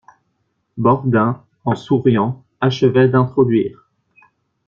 Boredain, en souriant, achevait d'introduire.